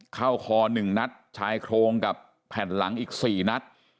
คอ๑นัดชายโครงกับแผ่นหลังอีก๔นัด